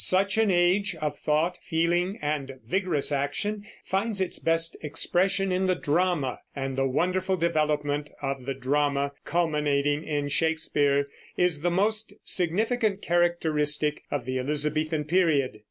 Such an age, of thought, feeling, and vigorous action, finds its best expression in the drama; and the wonderful development of the drama, culminating in Shakespeare, is the most significant characteristic of the Elizabethan period.